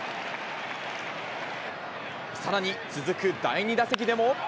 さらに続く第２打席でも。